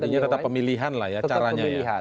ibu tetap pemilihan lah ya caranya